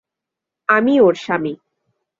আমিই ওর স্বামী।